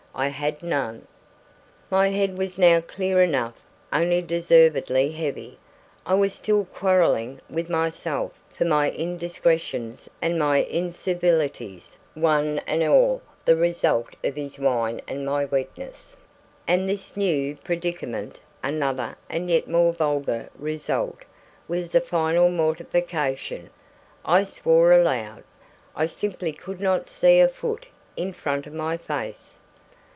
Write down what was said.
I had none. My head was now clear enough, only deservedly heavy. I was still quarrelling with myself for my indiscretions and my incivilities, one and all the result of his wine and my weakness, and this new predicament (another and yet more vulgar result) was the final mortification. I swore aloud. I simply could not see a foot in front of my face.